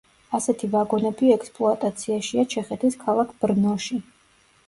ასეთი ვაგონები ექსპლუატაციაშია ჩეხეთის ქალაქ ბრნოში.